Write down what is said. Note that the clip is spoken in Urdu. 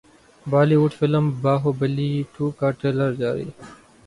Bali would film Baahubali two کا ٹریلر جاری